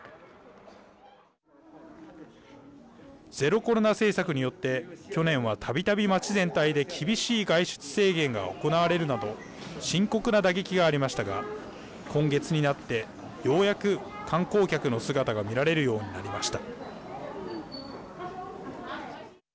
ゼロコロナ政策によって去年はたびたび街全体で厳しい外出制限が行われるなど深刻な打撃がありましたが今月になってようやく観光客の姿が見られるようになりました。